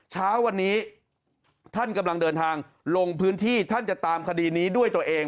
เช้าวันนี้ท่านกำลังเดินทางลงพื้นที่ท่านจะตามคดีนี้ด้วยตัวเอง